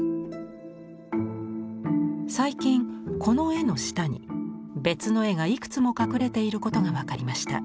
最近この絵の下に別の絵がいくつも隠れていることが分かりました。